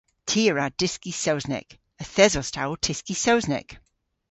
Ty a wra dyski Sowsnek. Yth esos ta ow tyski Sownsnek.